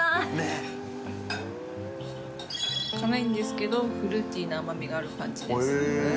辛いんですけどフルーティーな甘みがある感じです